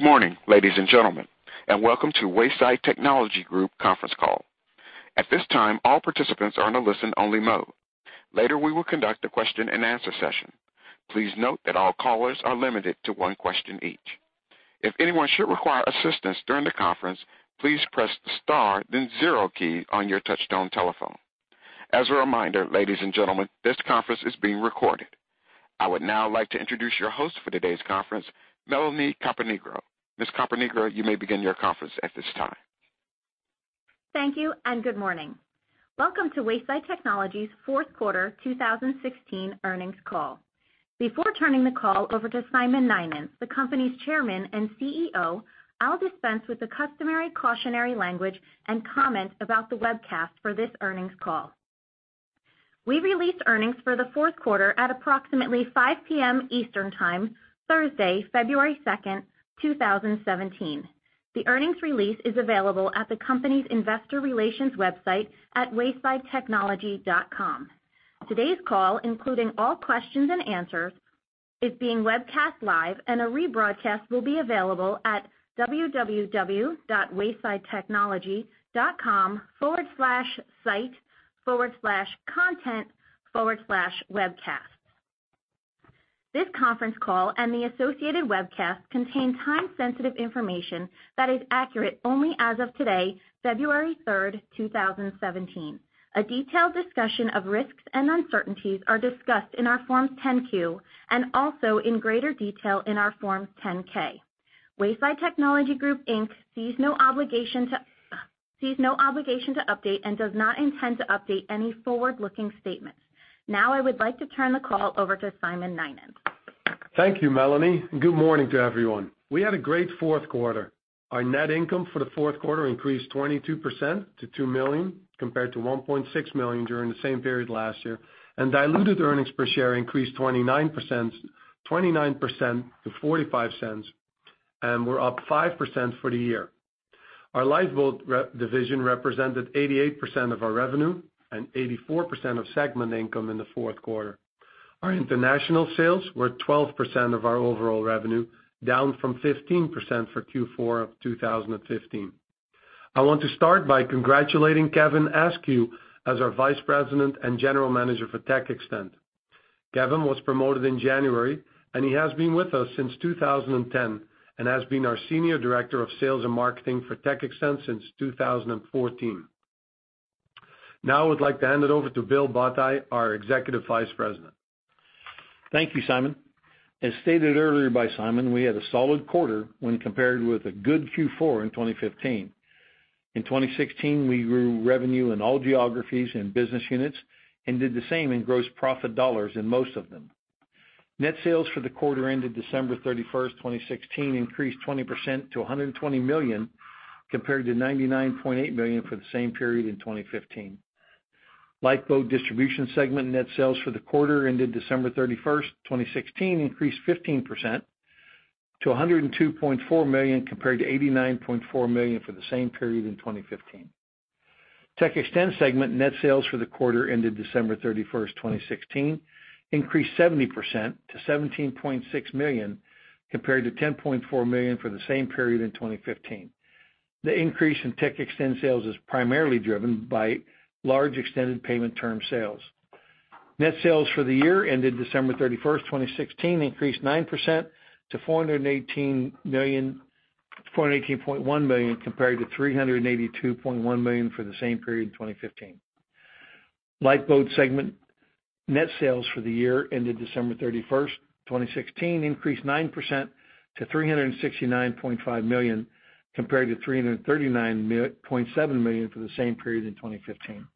Good morning, ladies and gentlemen, welcome to Wayside Technology Group conference call. At this time, all participants are on a listen-only mode. Later, we will conduct a question and answer session. Please note that all callers are limited to one question each. If anyone should require assistance during the conference, please press the star then zero key on your touchtone telephone. As a reminder, ladies and gentlemen, this conference is being recorded. I would now like to introduce your host for today's conference, Melanie Caponigro. Ms. Caponigro, you may begin your conference at this time. Thank you, good morning. Welcome to Wayside Technology's fourth quarter 2016 earnings call. Before turning the call over to Simon Nynens, the company's Chairman and CEO, I'll dispense with the customary cautionary language and comment about the webcast for this earnings call. We released earnings for the fourth quarter at approximately 5:00 P.M. Eastern Time, Thursday, February 2nd, 2017. The earnings release is available at the company's investor relations website at waysidetechnology.com. Today's call, including all questions and answers, is being webcast live and a rebroadcast will be available at www.waysidetechnology.com/site/content/webcasts. This conference call and the associated webcast contain time-sensitive information that is accurate only as of today, February 3rd, 2017. A detailed discussion of risks and uncertainties are discussed in our Forms 10-Q and also in greater detail in our Form 10-K. Wayside Technology Group, Inc. sees no obligation to update and does not intend to update any forward-looking statements. I would like to turn the call over to Simon Nynens. Thank you, Melanie, good morning to everyone. We had a great fourth quarter. Our net income for the fourth quarter increased 22% to $2 million, compared to $1.6 million during the same period last year, diluted earnings per share increased 29% to $0.45 and were up 5% for the year. Our Lifeboat division represented 88% of our revenue and 84% of segment income in the fourth quarter. Our international sales were 12% of our overall revenue, down from 15% for Q4 of 2015. I want to start by congratulating Kevin Askew as our Vice President and General Manager for TechXtend. Kevin was promoted in January, he has been with us since 2010 and has been our Senior Director of Sales and Marketing for TechXtend since 2014. I would like to hand it over to Bill Bottai, our Executive Vice President. Thank you, Simon. As stated earlier by Simon, we had a solid quarter when compared with a good Q4 in 2015. In 2016, we grew revenue in all geographies and business units and did the same in gross profit dollars in most of them. Net sales for the quarter ended December 31st, 2016, increased 20% to $120 million, compared to $99.8 million for the same period in 2015. Lifeboat distribution segment net sales for the quarter ended December 31st, 2016, increased 15% to $102.4 million compared to $89.4 million for the same period in 2015. TechXtend segment net sales for the quarter ended December 31st, 2016, increased 70% to $17.6 million, compared to $10.4 million for the same period in 2015. The increase in TechXtend sales is primarily driven by large extended payment term sales. Net sales for the year ended December 31st, 2016, increased 9% to $418.1 million compared to $382.1 million for the same period in 2015. Lifeboat segment net sales for the year ended December 31st, 2016, increased 9% to $369.5 million, compared to $339.7 million for the same period in 2015.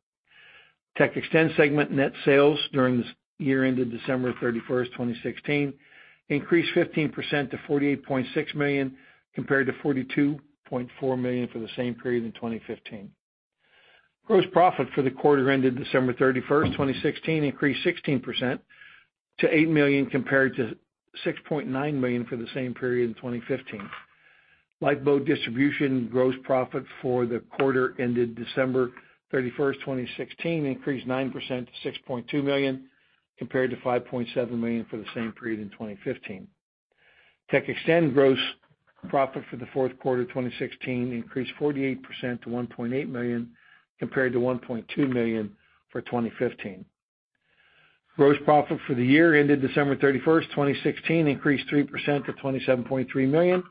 TechXtend segment net sales during this year ended December 31st, 2016, increased 15% to $48.6 million, compared to $42.4 million for the same period in 2015. Gross profit for the quarter ended December 31st, 2016, increased 16% to $8 million compared to $6.9 million for the same period in 2015. Lifeboat distribution gross profit for the quarter ended December 31st, 2016, increased 9% to $6.2 million, compared to $5.7 million for the same period in 2015. TechXtend gross profit for the fourth quarter 2016 increased 48% to $1.8 million, compared to $1.2 million for 2015. Gross profit for the year ended December 31st, 2016, increased 3% to $27.3 million,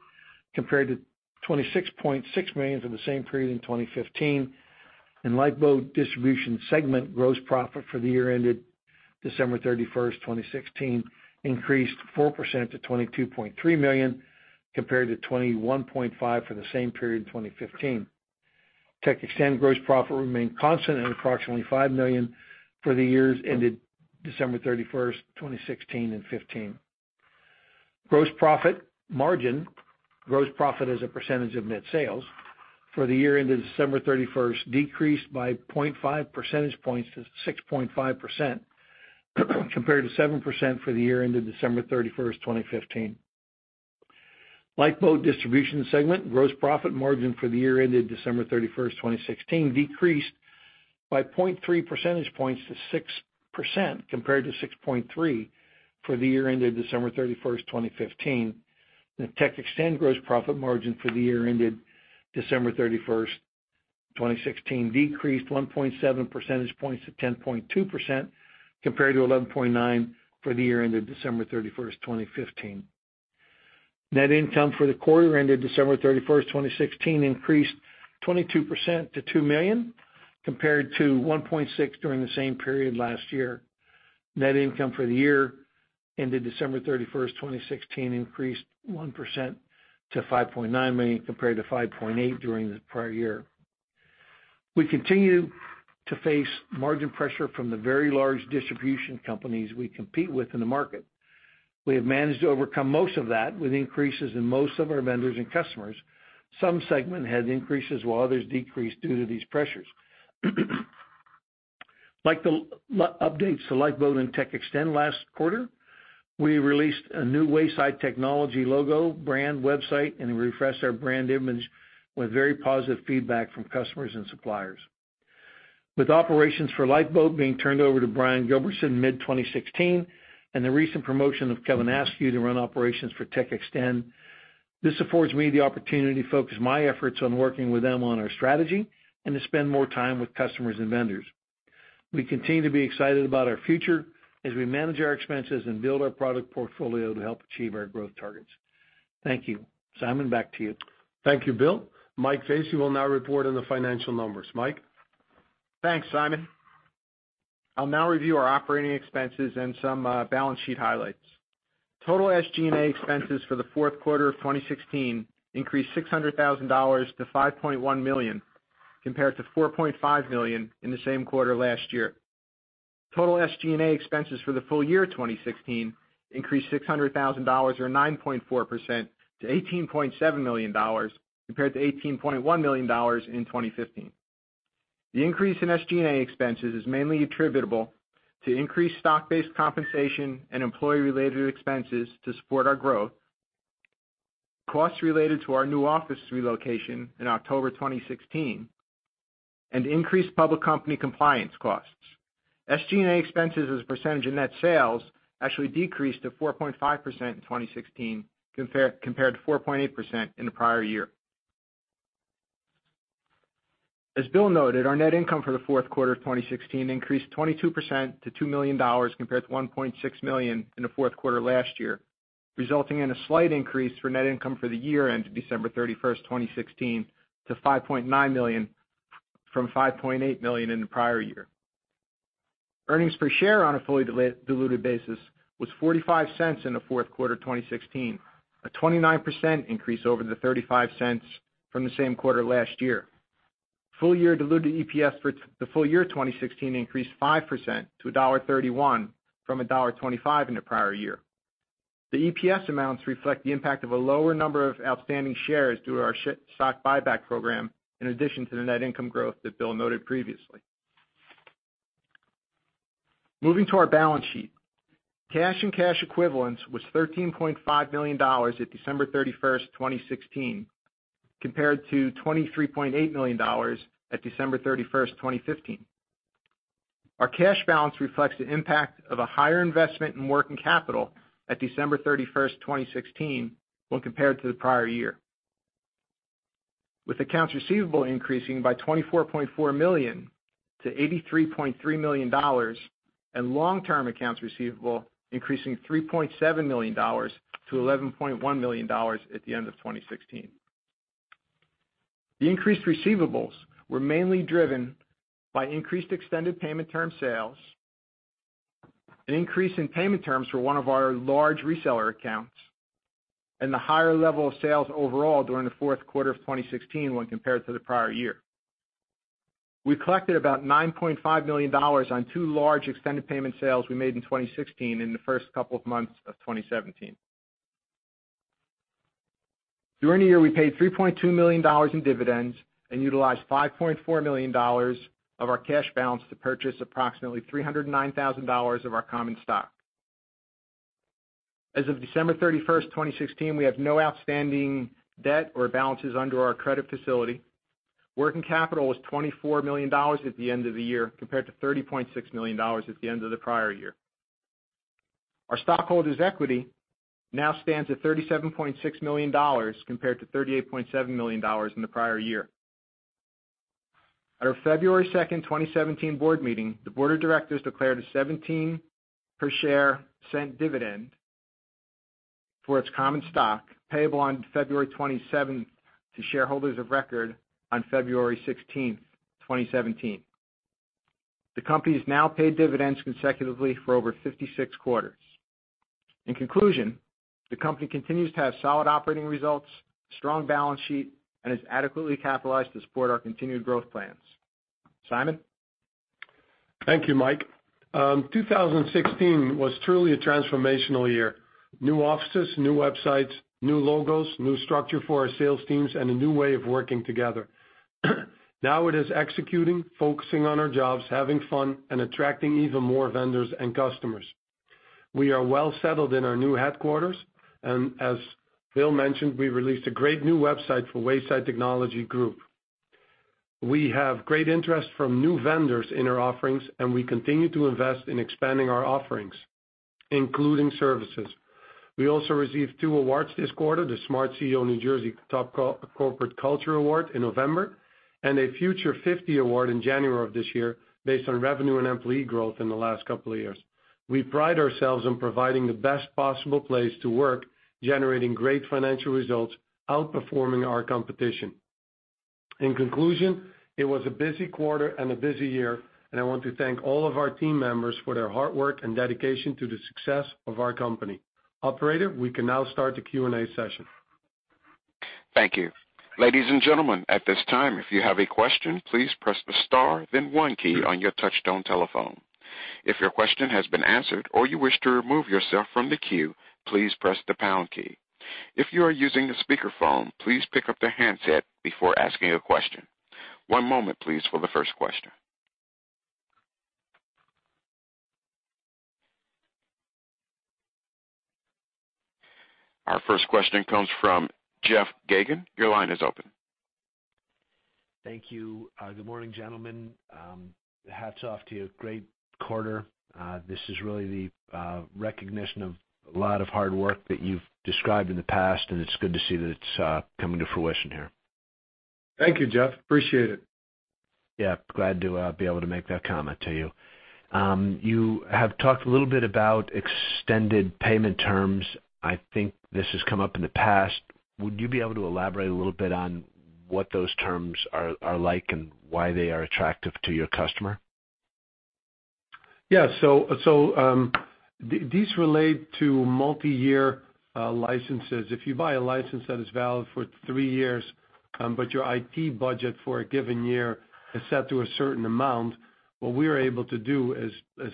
compared to $26.6 million for the same period in 2015. Lifeboat distribution segment gross profit for the year ended December 31st, 2016, increased 4% to $22.3 million, compared to $21.5 million for the same period in 2015. TechXtend gross profit remained constant at approximately $5 million for the years ended December 31st, 2016 and 2015. Gross profit margin, gross profit as a percentage of net sales, for the year ended December 31st decreased by 0.5 percentage points to 6.5%, compared to 7% for the year ended December 31st, 2015. Lifeboat distribution segment gross profit margin for the year ended December 31st, 2016, decreased by 0.3 percentage points to 6%, compared to 6.3% for the year ended December 31st, 2015. The TechXtend gross profit margin for the year ended December 31st, 2016 decreased 1.7 percentage points to 10.2%, compared to 11.9% for the year ended December 31st, 2015. Net income for the quarter ended December 31st, 2016 increased 22% to $2 million, compared to $1.6 million during the same period last year. Net income for the year ended December 31st, 2016 increased 1% to $5.9 million, compared to $5.8 million during the prior year. We continue to face margin pressure from the very large distribution companies we compete with in the market. We have managed to overcome most of that with increases in most of our vendors and customers. Some segments had increases while others decreased due to these pressures. Like the updates to Lifeboat and TechXtend last quarter, we released a new Wayside Technology logo, brand, website, and refreshed our brand image with very positive feedback from customers and suppliers. With operations for Lifeboat being turned over to Brian Gilbertson mid-2016, and the recent promotion of Kevin Askew to run operations for TechXtend, this affords me the opportunity to focus my efforts on working with them on our strategy and to spend more time with customers and vendors. We continue to be excited about our future as we manage our expenses and build our product portfolio to help achieve our growth targets. Thank you. Simon, back to you. Thank you, Bill. Mike Facey will now report on the financial numbers. Mike? Thanks, Simon. I'll now review our operating expenses and some balance sheet highlights. Total SG&A expenses for the fourth quarter of 2016 increased $600,000 to $5.1 million, compared to $4.5 million in the same quarter last year. Total SG&A expenses for the full year 2016 increased $600,000 or 9.4% to $18.7 million, compared to $18.1 million in 2015. The increase in SG&A expenses is mainly attributable to increased stock-based compensation and employee-related expenses to support our growth, costs related to our new office relocation in October 2016, and increased public company compliance costs. SG&A expenses as a percentage of net sales actually decreased to 4.5% in 2016 compared to 4.8% in the prior year. As Bill noted, our net income for the fourth quarter of 2016 increased 22% to $2 million, compared to $1.6 million in the fourth quarter last year, resulting in a slight increase for net income for the year end to December 31st, 2016 to $5.9 million from $5.8 million in the prior year. Earnings per share on a fully-diluted basis was $0.45 in the fourth quarter 2016, a 29% increase over the $0.35 from the same quarter last year. Full year diluted EPS for the full year 2016 increased 5% to $1.31 from $1.25 in the prior year. The EPS amounts reflect the impact of a lower number of outstanding shares due to our stock buyback program, in addition to the net income growth that Bill noted previously. Moving to our balance sheet. Cash and cash equivalents was $13.5 million at December 31, 2016, compared to $23.8 million at December 31, 2015. Our cash balance reflects the impact of a higher investment in working capital at December 31, 2016, when compared to the prior year. With accounts receivable increasing by $24.4 million to $83.3 million and long-term accounts receivable increasing $3.7 million to $11.1 million at the end of 2016. The increased receivables were mainly driven by increased extended payment term sales, an increase in payment terms for one of our large reseller accounts, and the higher level of sales overall during the fourth quarter of 2016 when compared to the prior year. We collected about $9.5 million on two large extended payment sales we made in 2016, in the first couple of months of 2017. During the year, we paid $3.2 million in dividends and utilized $5.4 million of our cash balance to purchase approximately $309,000 of our common stock. As of December 31, 2016, we have no outstanding debt or balances under our credit facility. Working capital was $24 million at the end of the year, compared to $30.6 million at the end of the prior year. Our stockholders' equity now stands at $37.6 million compared to $38.7 million in the prior year. At our February 2, 2017 board meeting, the board of directors declared a $0.17 per share dividend for its common stock, payable on February 27 to shareholders of record on February 16, 2017. The company has now paid dividends consecutively for over 56 quarters. In conclusion, the company continues to have solid operating results, strong balance sheet, and is adequately capitalized to support our continued growth plans. Simon? Thank you, Mike. 2016 was truly a transformational year. New offices, new websites, new logos, new structure for our sales teams, and a new way of working together. Now it is executing, focusing on our jobs, having fun, and attracting even more vendors and customers. We are well settled in our new headquarters. As Bill mentioned, we released a great new website for Wayside Technology Group. We have great interest from new vendors in our offerings, and we continue to invest in expanding our offerings, including services. We also received two awards this quarter, the SmartCEO New Jersey Top Corporate Culture Award in November, and a Future 50 Award in January of this year based on revenue and employee growth in the last couple of years. We pride ourselves on providing the best possible place to work, generating great financial results, outperforming our competition. In conclusion, it was a busy quarter and a busy year. I want to thank all of our team members for their hard work and dedication to the success of our company. Operator, we can now start the Q&A session. Thank you. Ladies and gentlemen, at this time, if you have a question, please press the star, then one key on your touchtone telephone. If your question has been answered or you wish to remove yourself from the queue, please press the pound key. If you are using a speakerphone, please pick up the handset before asking a question. One moment, please, for the first question. Our first question comes from Jeff Gagan. Your line is open. Thank you. Good morning, gentlemen. Hats off to you. Great quarter. This is really the recognition of a lot of hard work that you've described in the past, it's good to see that it's coming to fruition here. Thank you, Jeff. Appreciate it. Yeah. Glad to be able to make that comment to you. You have talked a little bit about extended payment terms. I think this has come up in the past. Would you be able to elaborate a little bit on what those terms are like and why they are attractive to your customer? These relate to multi-year licenses. If you buy a license that is valid for three years, but your IT budget for a given year is set to a certain amount, what we are able to do is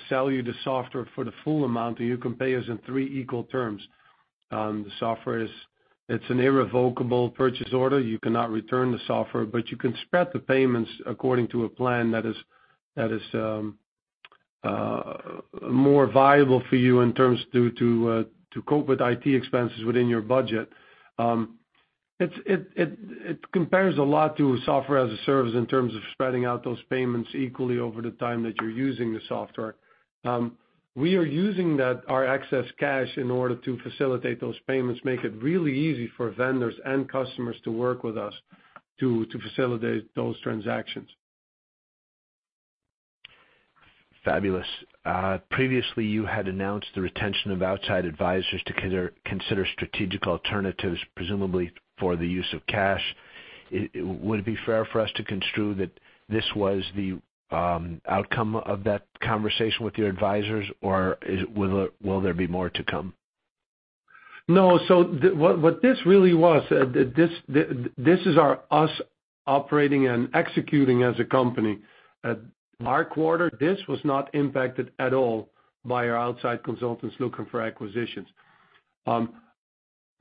sell you the software for the full amount, and you can pay us in three equal terms. The software, it's an irrevocable purchase order. You cannot return the software, but you can spread the payments according to a plan that is more viable for you in terms to cope with IT expenses within your budget. It compares a lot to software as a service in terms of spreading out those payments equally over the time that you're using the software. We are using our excess cash in order to facilitate those payments, make it really easy for vendors and customers to work with us to facilitate those transactions. Fabulous. Previously, you had announced the retention of outside advisors to consider strategic alternatives, presumably for the use of cash. Would it be fair for us to construe that this was the outcome of that conversation with your advisors, or will there be more to come? No. What this really was, this is us operating and executing as a company. Our quarter, this was not impacted at all by our outside consultants looking for acquisitions.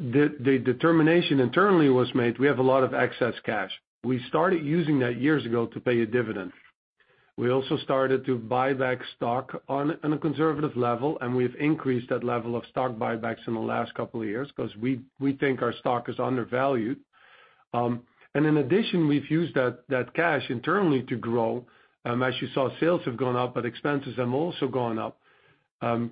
The determination internally was made, we have a lot of excess cash. We started using that years ago to pay a dividend. We also started to buy back stock on a conservative level, and we've increased that level of stock buybacks in the last couple of years because we think our stock is undervalued. In addition, we've used that cash internally to grow. As you saw, sales have gone up, but expenses have also gone up.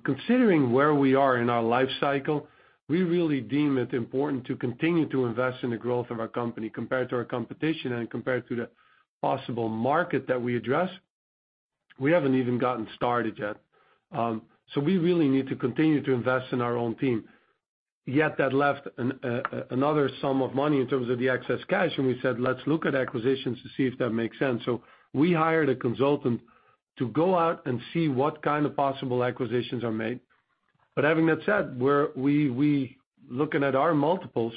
Considering where we are in our life cycle, we really deem it important to continue to invest in the growth of our company compared to our competition and compared to the possible market that we address. We haven't even gotten started yet. We really need to continue to invest in our own team. Yet that left another sum of money in terms of the excess cash, and we said, "Let's look at acquisitions to see if that makes sense." We hired a consultant to go out and see what kind of possible acquisitions are made. Having that said, looking at our multiples,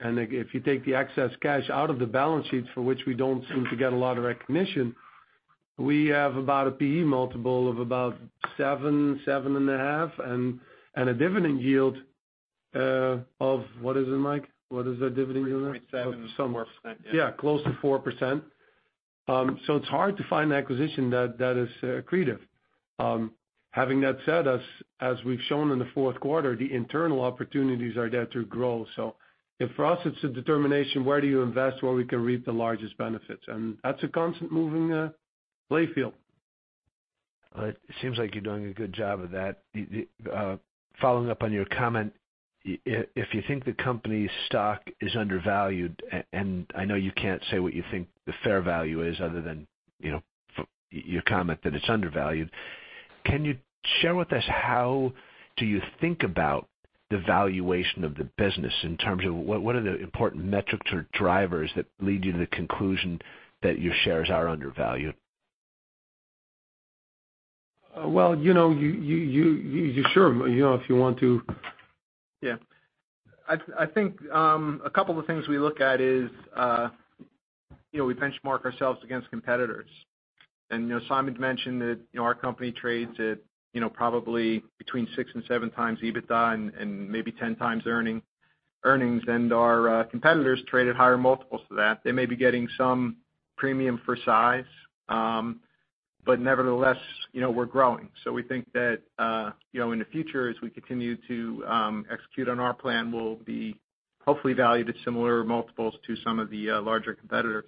and if you take the excess cash out of the balance sheet for which we don't seem to get a lot of recognition, we have about a PE multiple of about seven and a half, and a dividend yield of What is it, Mike? What is that dividend? 3.7 somewhere%. Yeah. Yeah, close to 4%. It's hard to find an acquisition that is accretive. Having that said, as we've shown in the fourth quarter, the internal opportunities are there to grow. If for us, it's a determination, where do you invest, where we can reap the largest benefits? That's a constant moving play field. It seems like you're doing a good job of that. Following up on your comment, if you think the company's stock is undervalued, and I know you can't say what you think the fair value is other than your comment that it's undervalued. Can you share with us how do you think about the valuation of the business in terms of what are the important metrics or drivers that lead you to the conclusion that your shares are undervalued? Well, sure, if you want to. Yeah. I think, a couple of things we look at is, we benchmark ourselves against competitors. Simon mentioned that our company trades at probably between 6 and 7 times EBITDA and maybe 10 times earnings and our competitors trade at higher multiples to that. They may be getting some premium for size. Nevertheless, we're growing. We think that, in the future, as we continue to execute on our plan, we'll be hopefully valued at similar multiples to some of the larger competitors.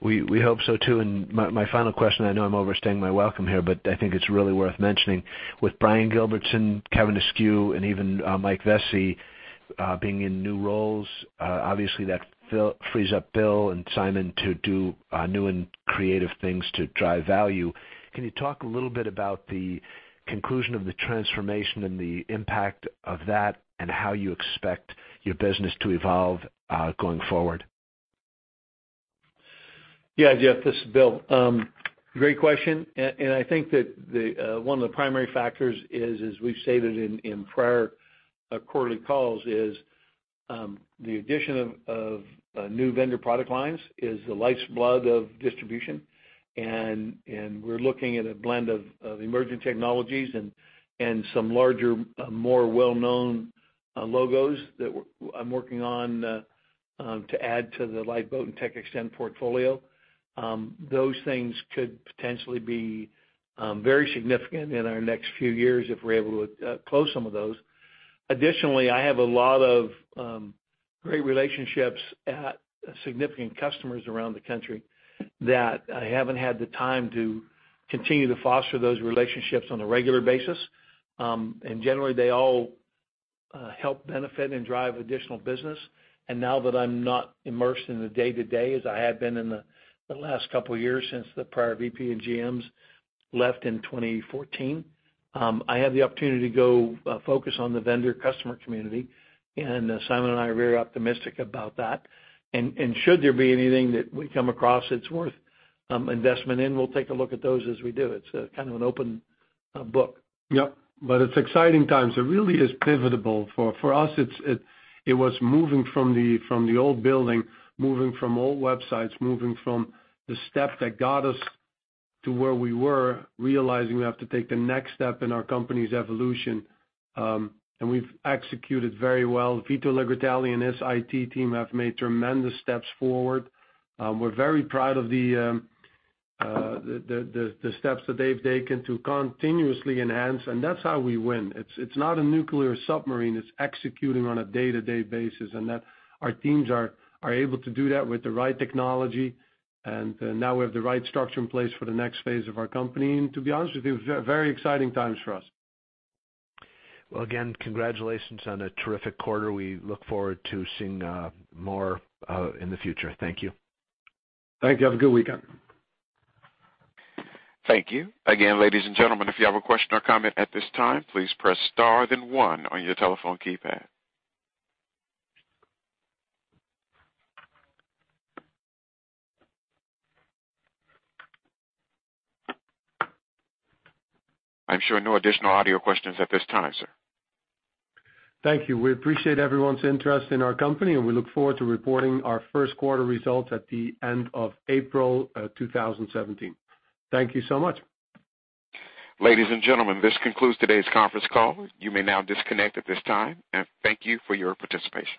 We hope so, too. My final question, I know I'm overstaying my welcome here, but I think it's really worth mentioning. With Brian Gilbertson, Kevin Askew, and even Mike Vesce being in new roles, obviously that frees up Bill and Simon to do new and creative things to drive value. Can you talk a little bit about the conclusion of the transformation and the impact of that, and how you expect your business to evolve going forward? Yeah, Jeff, this is Bill. Great question. I think that one of the primary factors is, as we've stated in prior quarterly calls is, the addition of new vendor product lines is the life's blood of distribution. We're looking at a blend of emerging technologies and some larger, more well-known logos that I'm working on to add to the Lifeboat and TechXtend portfolio. Those things could potentially be very significant in our next few years if we're able to close some of those. Additionally, I have a lot of great relationships at significant customers around the country that I haven't had the time to continue to foster those relationships on a regular basis. Generally, they all help benefit and drive additional business. Now that I'm not immersed in the day-to-day as I have been in the last couple of years since the prior VP and GMs left in 2014, I have the opportunity to go focus on the vendor customer community, Simon and I are very optimistic about that. Should there be anything that we come across that's worth investment in, we'll take a look at those as we do. It's kind of an open book. Yep. It's exciting times. It really is pivotable. For us, it was moving from the old building, moving from old websites, moving from the step that got us to where we were, realizing we have to take the next step in our company's evolution. We've executed very well. Vito Legrottaglie and his IT team have made tremendous steps forward. We're very proud of the steps that they've taken to continuously enhance, and that's how we win. It's not a nuclear submarine. It's executing on a day-to-day basis, and that our teams are able to do that with the right technology. Now we have the right structure in place for the next phase of our company. To be honest with you, very exciting times for us. Well, again, congratulations on a terrific quarter. We look forward to seeing more in the future. Thank you. Thank you. Have a good weekend. Thank you. Again, ladies and gentlemen, if you have a question or comment at this time, please press star then one on your telephone keypad. I'm showing no additional audio questions at this time, sir. Thank you. We appreciate everyone's interest in our company, and we look forward to reporting our first quarter results at the end of April 2017. Thank you so much. Ladies and gentlemen, this concludes today's conference call. You may now disconnect at this time. Thank you for your participation.